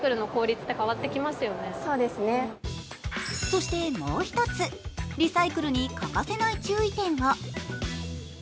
そして、もう一つ、リサイクルに欠かせない注意点が。